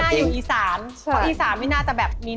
เป็นคำตอบที่